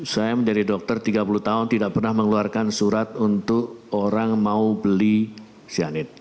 saya menjadi dokter tiga puluh tahun tidak pernah mengeluarkan surat untuk orang mau beli cyanida